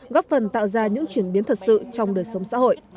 góp phần tạo ra những chuyển biến thật sự trong đời sống xã hội